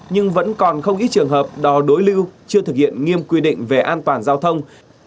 nhưng vẫn còn không ít trường hợp đò đối lưu chưa thực hiện nghiêm quy định về an toàn giao thông